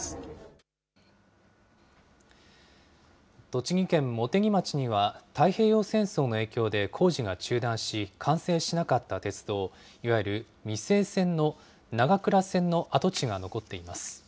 栃木県茂木町には、太平洋戦争の影響で工事が中断し、完成しなかった鉄道、いわゆる未成線の長倉線の跡地が残っています。